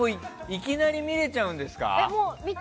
いきなり見れちゃうんですか？